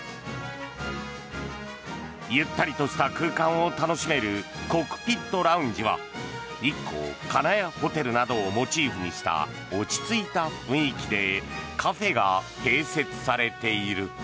ゆったりとした空間を楽しめるコックピットラウンジは日光金谷ホテルなどをモチーフにした落ち着いた雰囲気でカフェが併設されている。